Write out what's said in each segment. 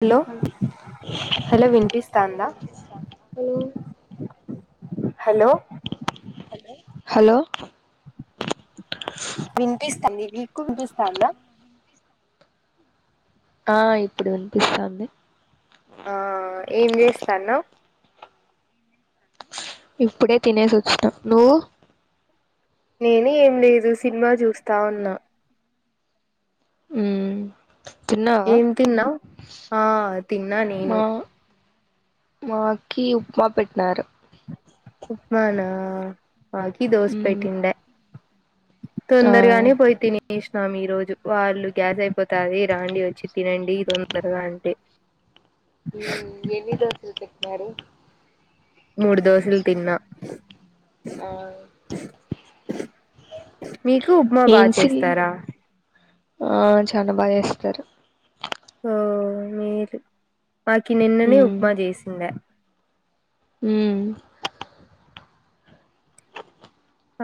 Hello hello వినిపిస్తాందా hello hello hello వినిపిస్తాదా అండి మీకు వినిపిస్తాదా ఆహ్ ఇప్పుడు వినిపిస్తాంది ఆహ్ ఏం చేస్తాన్నవ్ ఇప్పుడే తినేసి ఒచ్చినా నువ్వు నేను ఏం లేదు సినిమా చూస్తా ఉన్నా ఉమ్ తిన్నావా ఏం తిన్నావ్ ఆ తిన్నా నేను మా మాకి ఉప్మా పెట్టినారు ఉప్మానా మాకి దోస మ్మ్ పెట్టిండె ఆ తొందరగానే పోయి తిని తీనేశినం ఈ రోజు వాళ్ళు గ్యాస్ అయిపోతాది రాండి ఒచ్చి తినండి తొందరగా అంటే హ్మ్ ఎన్ని దోసలు పెటినారు మూడు దోసలు తిన్నా ఆ మీకు ఉప్మా బా చేస్తారా ఆహ్ చాలా బాగా చేస్తారు ఓహ్ మీరు మాకి నిన్ననే మ్మ్ ఉప్మా జేసిందె మ్మ్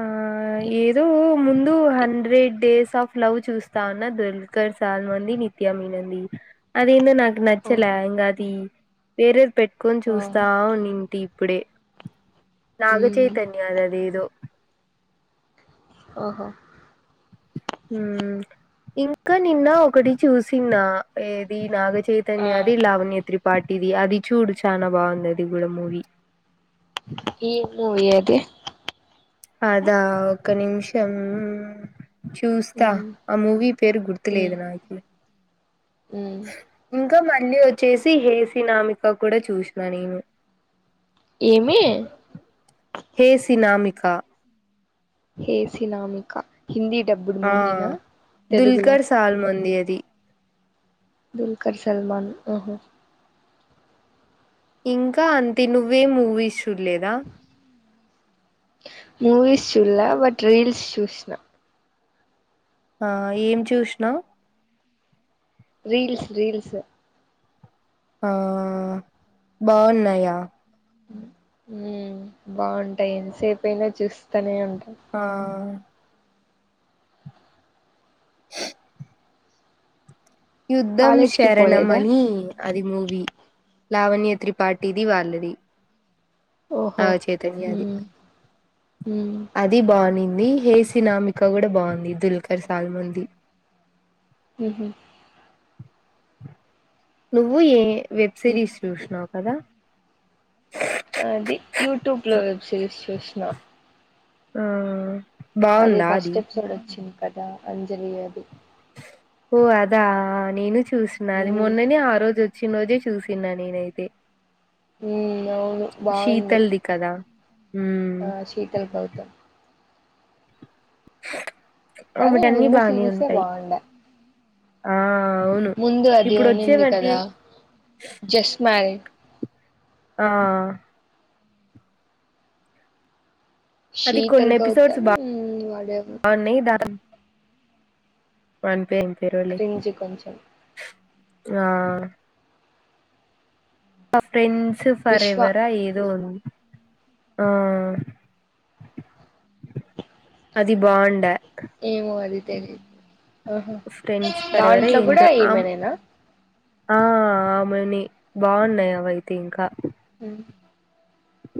ఆ ఏదో ముందు హండ్రెడ్ డేస్ ఆఫ్ లవ్ చూస్తా ఉన్న దూల్కర్ సల్మాన్ ది నిత్యమెనన్ ది అది ఏందొ నాకు నచ్చలే ఓహో ఇంగ అది వేరేది పెట్టుకొని ఆ చూస్తా వున్నింటి ఇప్పుడే మ్మ్ నాగచైతన్య ఆదేదో ఓహొ మ్ ఇంక నిన్న ఒకటి చూసినా ఏది నాగచై ఆ చైతన్యా ది లావన్య త్రిపాటిది అది చూడు చానా బావుందది గూడా మూవీ ఏం మూవి అది అదా ఒక్క నిమిషం చూస్తా మ్మ్ ఆ మూవీ పేరు గుర్తులేదు నాకి ఉమ్ ఇంకా మళ్ళీ వొచ్చేసి హే సినామిక కూడా చూశిన నేను ఏమి హే సినామిక హే సినామిక హిందీ డబ్బుడ్ ఆ మూవీనా తెలుగులో దుల్కర్ సల్మాన్ ది అది దుల్కర్ సల్మాన్ ఓహో ఇంక అంతే నువ్వేం మూవీస్ చూల్లేదా మూవీస్ చూల్ల బట్ రీల్స్ చూస్నా ఆ ఏం చూశినవ్ రీల్స్ రీల్స్ ఆ బావున్నాయా మ్ బావుంటాయి ఎంతసేపైనా చూస్తానే ఉం ఆ యుద్ధం కాలేజ్కి పోలేదా శరణమని అది మూవీ లావణ్య త్రిపాటిది వాళ్ళది ఓహో నాగచైతన్యది మ్మ్ మ్మ్ అది బావునింద్ హే సినామిక గూడా బావుంది దుల్కర్ సాల్మాంది ఉహు నువు ఏ వెబ్ సిరీస్ సూశినావు కదా అది యూట్యూబ్ లో వెబ్ సిరీస్ సూశిన ఆ అదే బాగుందా అది ఫస్ట్ఎపిసోడ్ వొచ్చింది కదా అంజలి అది ఓ అదా నేను చూసిన అది మ్మ్ మొన్ననే ఆ రోజొచ్చిన రోజే చూసిన నేనైతే మ్మ్ అవును బాగుంది శీతల్ది కదా ఉమ్ ఆ శీతల్ గౌతమ్ కానీ ఆమెటన్ని ముందు బానే సిరీసే ఉంటయి బాగుండే ముందు అది ఉన్నింది వచ్చేవన్నీ కదా జస్ట్ మారీడ్ ఆ అది కొన్ని శీతల్ ఎపిసోడ్స్ గౌతమ్ బా వాడేవో న్నాయి దాన్ పంపిం క్రింజి కొంచెం ఆ మా ఫ్రెండ్స్ విశ్వ ఫరెఎవరా ఏదో ఉంది ఆ అది బాగుండే ఏమో అది తెలీదు ఆహా ఫ్రెండ్స్ ఫర్ ఎవరా దాంట్లో కూడా ఏంటో ఆమ్ ఈమెనేనా ఆ అమని బాగున్నయవైతే ఇంకా హు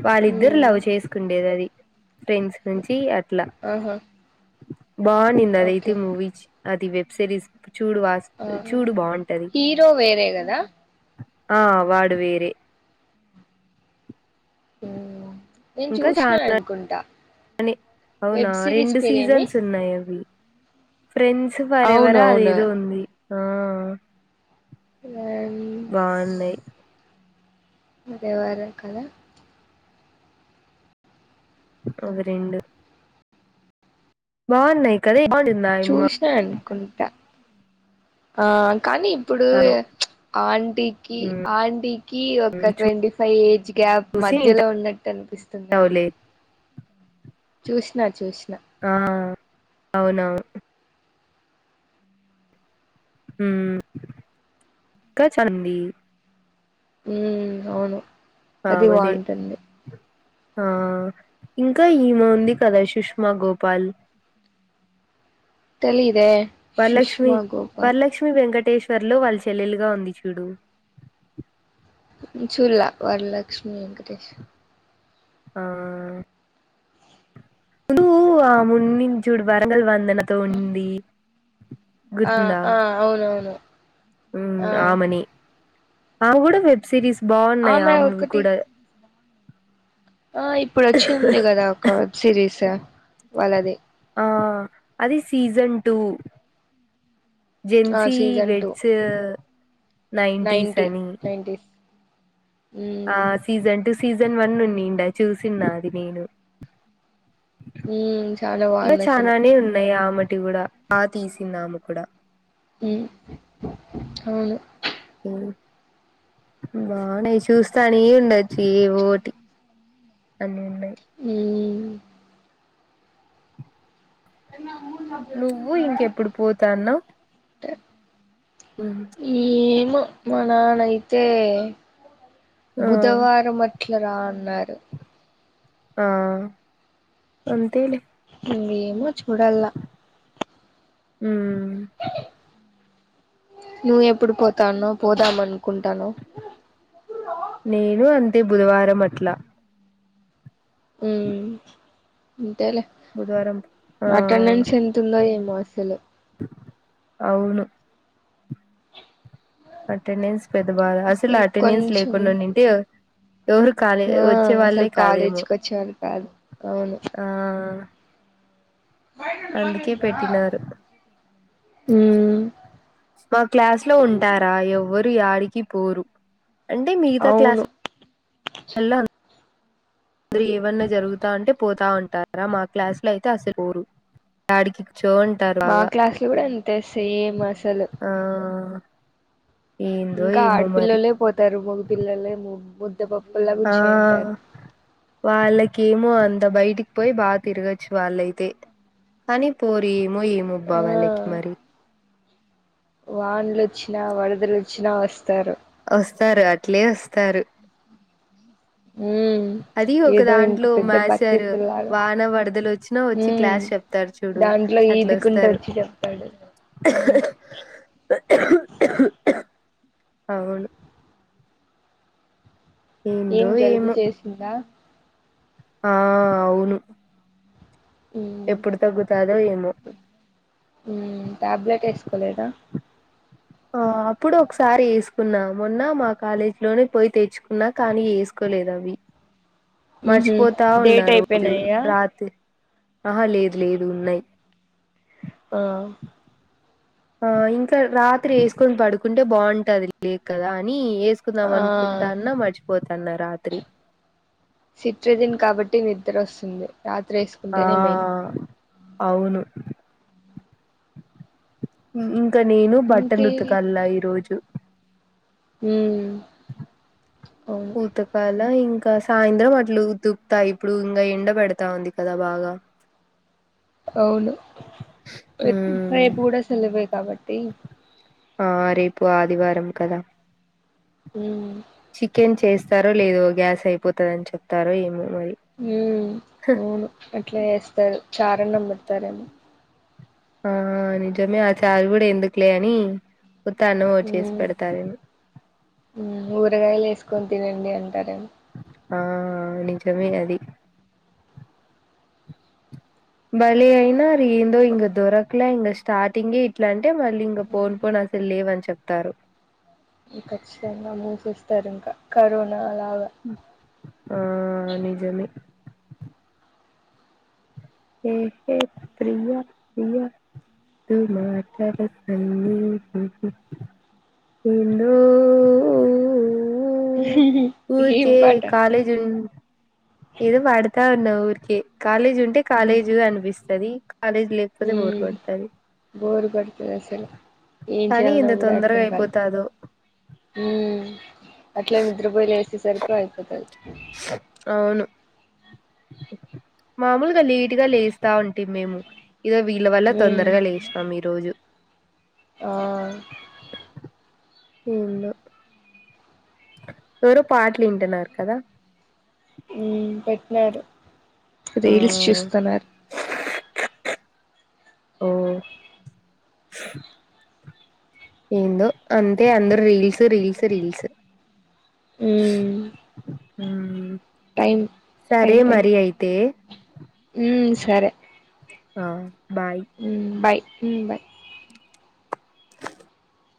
వాళ్ళిద్దరు లవ్ చేసుకుండేది ఫ్రెండ్స్ నుంచి అట్లా ఆహా బావుండింది అదైతే ఓకే మూవీచ్ అది వెబ్ సిరీస్ చూడు వాస్ ఆ చూడు బావుంటది హీరో వేరే కదా ఆ వాడు వేరే నేను చూశినానుకుంట అని అవునా రెండు పేరేమి సీజన్స్ ఉన్నాయి అవి ఫ్రెండ్స్ ఫరెవర్ అవునవును అదేదో ఉంది ఆ బోన్నాయి ఎవరక్క అవి రెండు బావున్నాయి కానీ చూసినా అనుకుంటా ఆ కానీ ఇప్పుడు దాలో ఆంటీకి ఆంటీకి ఒక ట్వంటీ ఫైవ్ ఏజ్ గ్యాప్ చూసి మధ్యలో ఉన్నట్టు అనిపిస్తుందేమో ఇంటవులే చూష్ణ చూసి ఆ అవున ఉమ్ కచండి ఉమ్ అవును ఆమెదే అది ఆ అదే. బావుంటుంది ఆ ఇంకా ఏమే ఉంది కదా సుష్మా గోపాల్ తెలిదే వరలక్ష్మి వరలక్ష్మి వెంకట వెంకటేష్ వారులు వాళ్ళ చెల్లెలుగా ఉంది చూడు చూడల వరలక్ష్మి వెంకటేష్ ఆ ఉందు ఆ ఉండిందిచుడు వరంగల్ వందన వందనతో ఉండి ఆ గుర్తువుందా ఆ అవునవును ఉమ్ ఆ ఆమెని ఆమె కూడా వెబ్ సిరీస్ బావున్నాయి ఆ ఆమె అమూవి ఒకటి కూడా ఆ ఇప్పుడు వచ్చింది కదా ఒక వెబ్ సిరీస్ వాళ్ళది ఆ అది సీజన్ టూ ఆ జెన్సీ season two weds nineties ninety అని నైన్టీస్ ఆ మ్మ్ సీజన్ టూ సీజన్ వన్ ఉందిండా చూసిన అది నేను మ్మ్ చాలా ఇలా బాగుంది అసలు చలాన్ నే ఉన్నాయి ఆమటి కూడా ఆ తీసిందాము కూడా ఉమ్ అవును ఉమ్ బావున్నాయి చూస్తానే ఉండొచ్చు ఏవి ఒకటి అన్నీ ఉన్నాయి హ్మ్ నువ్వు ఇంకెప్పుడు పోత అన్నావ్ ఉమ్ ఏమో మా నాన్న అయితే ఆ బుధవారం అట్లా అట్లా రా అన్నారు ఆ అంతేలే ఏమో చుడాలా ఉమ్ నువ్ ఎప్పుడు పోత అన్నావ్ పోదామనుకు నేను అంతే బుధవారం అట్లా ఉమ్ అంతే లే బుధవారం ఆ అటెండెన్స్ ఎంత ఉందో ఏమో అసలు అవును అటెండెన్స్ పెద్ద బాధ అసలు అటెండెన్స్ లేకుండా ఉడింటే ఎవరు కాలేజీ ఆ వచ్చే అసలు వాళ్ళే కాదేమో కాలేజీకి వచ్చేవాళ్ళు కాదు అవును ఆ అందుకే పెట్టినారు ఉమ్ మా క్లాస్ లో ఉంటారా ఎవ్వ యాడికి పోరు అంటే మిగతా క్లాస్ అవును అందరు ఏమన్నా జరుగుతా అంటే పోతా ఉంటారా మా క్లాస్ లో అయితే అసలు పోరు యాడికి చోంటారు మా బాగా క్లాస్లో కూడా అంతే సేమ్ అసలు ఆ ఏందో ఇంకా ఏమో మరి ఆడపిల్లలే పోతారు మగపిల్లలేమొ ఆ వాళ్లకేమో అంద బయటికి పోయి బా తిరగొచ్చు వాలైతే కానీ పోరు ఏమో ఏమోబా ఆ వాళ్ళకి మరి వాన్లు ఒచ్చినా వరదలు వచ్చినా వస్తారు స్తారు అట్లే వస్తారు హ్మ్ అది ఒక దాంట్లో మసారు వాన వడదలు వచ్చినా వచ్చి క్లాస్ చెప్తాడు చూడు ఇంట్లో అట్లా ఈదుకుంటు వస్తారు ఒచ్చి చెప్తాడు అవును అవున్ ఏం ఏందో జలుబు ఏమో చేసింద ఆ అవును ఉమ్ ఎప్పుడు తగ్గుతాదొ ఏమో హ్మ్ టాబ్లెట్ ఏస్కోలేదా ఆ అప్పుడు ఒకసారి ఎస్కున్నా మొన్న మా కాలేజ్ లోనే పోయి తెచ్చుకున్నా కానీ ఏస్కో లేద అవి ఉహు మర్చిపోతా డేట్ ఉన్నారు రోజు అయిపోయినాయా రాత్రి ఆహా లేదు లేదు ఉన్నాయ్ ఆ ఆ ఇంకా రాత్రి ఏసుకొని పడుకుంటే బాంటది లే కదా అని ఏసుకుందాం ఆ అనుకుంటాన్న మర్చిపోతాన్న రాత్రి సిట్రిజిన్ కాబట్టి నిద్దర ఒస్తుంది రాత్రి ఆ ఏస్కుంటేనె మేలు అవును ఇంకా నేను బట్టలు ఇంకే ఉతకల్లా ఈ రోజు ఉమ్ అవును ఉతకాల ఇం ఇంకా సాయంత్రం అట్లా ఉతుప్త ఇప్పుడు ఇంగ ఎండ పెడతా ఉంది కదా బాగా అవును ఉమ్ రేపు గూడా సెలవే కాబట్టి ఆ రేపు ఆదివారం కదా ఉమ్ చికెన్ చేస్ స్తారు లేదో గ్యాస్ అయిపోతాది అని చెప్తారొ ఏమో మరి హ్మ్ అవును అట్లా ఎస్తారు చార్ అన్నం బెడ్తారేమో ఆ నిజమే ఆ చారు కూడా ఎందుకులే అని ఉత్తన్నం ఓ చేసి ఉమ్ పెడతారేమో కొన్ తినండి అంటారేమో ఆ నిజమే అది బలే అయినారు ఏందో ఇంగ దొరకలే ఇంక స్టార్టింగే ఇట్లాం టే మళ్ళీ ఇంగ పోన్ పోన్ అసలు లేవని చెప్తారు కచ్చితంగా మూసేస్తారు ఇంకా కరోనా లాగా ఆ నిజమే హే హే ప్రియా ప్రియా టు మాటలు అన్నీ హ్మమ్ ఇందో ఓఓ ఊ ఏం ఊరికే పాట కాలేజ్ ఉం ఏదో పాడతా ఉన్నా ఊరికే కాలేజ్ ఉంటే కాలేజ్ అనిపిస్తది కాలేజ్ లేకపోతే బోర్ హ్మ్ కొడతది బోర్ కొడుతది అసల్ ఏం కానీ చేయాలన ఇంత గూడా తొందరగా అర్థం కాదు అయిపోతాదో అట్లా నిద్ర పోయిలేసేసరికి అయిపోతది అవును మామూలుగా లేటుగా లేస్తా ఉంటిమి మేము ఇదో వీళ్ళ వల్ల ఉమ్ తొందరగా లేష్ణం ఈరోజు ఆ ఏందో ఎవరో పాటల్ఇంటున్నారు కదా హ్మ్ పెట్టినారు ఆ రీల్స్ చుస్తునారు హ ఏందో అంతే అందరు రీల్స్ రీల్స్ రీల్స్ హ్మ్ హ్మ్ సరే మరి అయితే ఉ సరే ఆ బాయ్ బాయ్ మ్ బాయ్